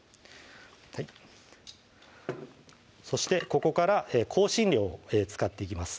そしてここから香辛料を使っていきます